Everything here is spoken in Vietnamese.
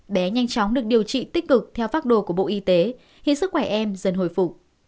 bé nhanh chóng được điều trị tích cực theo pháp đồ của bộ y tế hiến sức khỏe em dần hồi phụ